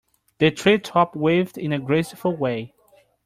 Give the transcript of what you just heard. The tree top waved in a graceful way.